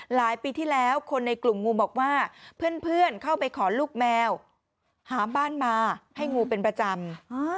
ปีที่แล้วคนในกลุ่มงูบอกว่าเพื่อนเข้าไปขอลูกแมวหาบ้านมาให้งูเป็นประจำ